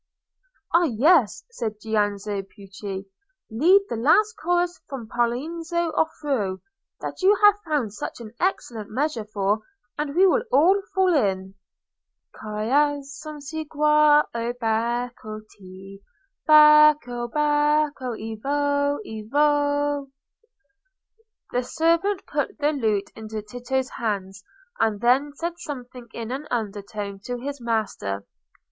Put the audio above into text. "Ah, yes!" said Giannozzo Pucci, "lead the last chorus from Poliziano's 'Orfeo,' that you have found such an excellent measure for, and we will all fall in:— "'Ciascum segua, o Bacco, te: Bacco, Bacco, evoe, evoe!'" The servant put the lute into Tito's hands, and then said something in an undertone to his master.